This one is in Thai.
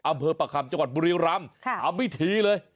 อำเภอประคำจังหวัดบุรีรำทำพิธีเลย